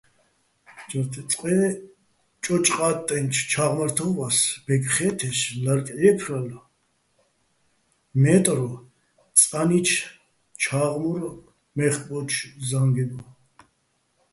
წყე ჭოჭოყა́ტტენჩო̆ ჩა́ღმართო́ვას ბეკხე́თეშ ლარკ ჺე́ფრალო̆ მე́ტრო წანი́შ ჩა́ღმურ მე́ხკბოჩო̆ ზა́ნგეგო.